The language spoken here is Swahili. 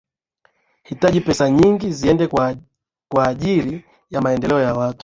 hitaji pesa nyingi ziende kwa ajiri ya maendeleo ya watu